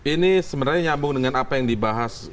ini sebenarnya nyambung dengan apa yang dibahas